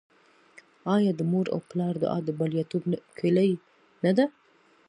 آیا د مور او پلار دعا د بریالیتوب کیلي نه ده؟